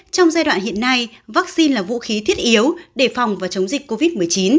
trong giai đoạn hiện nay vaccine là vũ khí thiết yếu để phòng và chống dịch covid một mươi chín